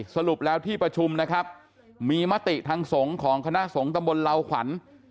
สรุปแล้วที่ประชุมนะครับมีมติทางสงฆ์ของคณะสงฆ์ตำบลเหล่าขวัญ